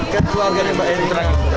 keluarganya mbak erina